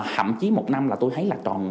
hậm chí một năm là tôi thấy là còn